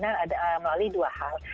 ada melalui dua hal